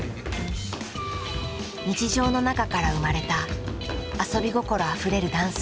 日常の中から生まれた遊び心あふれるダンス。